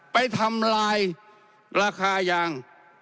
ไปทำลายราคายาง